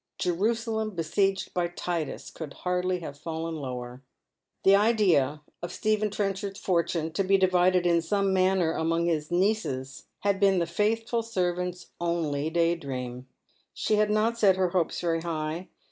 Jerusalem besieged by Titus could hardly have fallen lower. The idea of Stephen Trencbard's fortune — to be divided in some manner among his nieces — had been the faithful servant's only day dream. ' Sha had not set her hopes veiy high.